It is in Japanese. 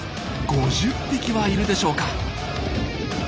５０匹はいるでしょうか。